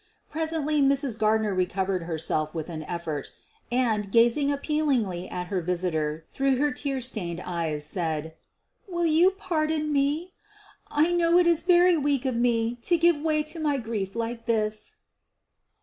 Presently Mrs. Gardner recovered herself with an effort, and, gazing appealingly at her visitor through her tear stained eyes, said: 1 l Will you pardon me ? I know it is very weak of me to give way to my grief like this.